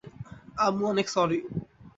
আম্মু অনেক স্যরি!